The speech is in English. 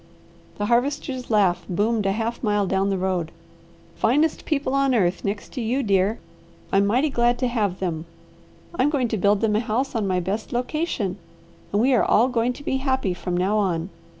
The Harvester's laugh boomed a half mile down the road. "Finest people on earth, next to you, dear. I'm mighty glad to have them. I'm going to build them a house on my best location, and we are all going to be happy from now on.